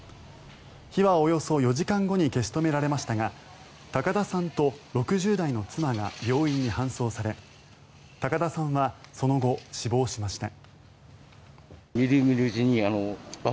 火はおよそ４時間後に消し止められましたが高田さんと６０代の妻が病院に搬送され高田さんはその後、死亡しました。